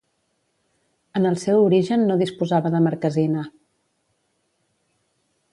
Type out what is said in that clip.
En el seu origen no disposava de marquesina.